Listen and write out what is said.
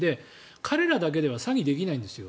彼らだけでは詐欺、できないんですよ。